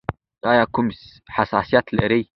ایا کوم حساسیت لرئ؟